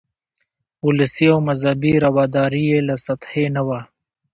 ولسي او مذهبي رواداري یې له سطحې نه وه.